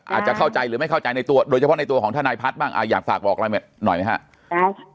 อาจจะเข้าใจหรือไม่เข้าใจในตัวโดยเฉพาะในตัวของทนายพัฒน์บ้างอยากฝากบอกอะไรหน่อยไหมครับ